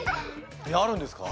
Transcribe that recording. あるんですか？